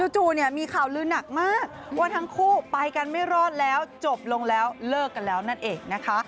จู่เนี่ยมีข่าวลือหนักมากว่าทั้งคู่ไปกันไม่รอดแล้วจบลงแล้วเลิกกันแล้วนั่นเองนะคะ